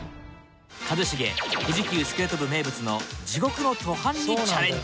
一茂富士急スケート部名物の地獄の登坂にチャレンジ！